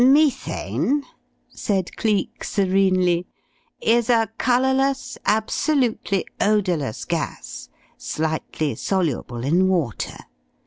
"Methane," said Cleek, serenely, "is a colourless, absolutely odourless gas, slightly soluble in water.